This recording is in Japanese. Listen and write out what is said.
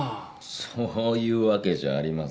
そういうわけじゃありませんよ。